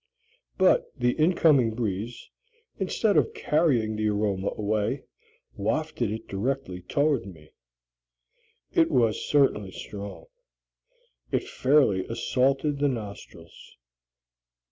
But the incoming breeze, instead of carrying the aroma away, wafted it directly toward me. It was certainly strong. It fairly assaulted the nostrils.